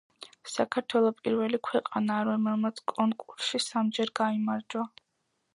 საქართველო პირველი ქვეყანაა, რომელმაც კონკურსში სამჯერ გაიმარჯვა.